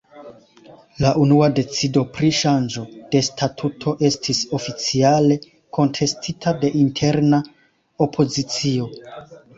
La unua decido pri ŝanĝo de statuto estis oficiale kontestita de interna opozicio.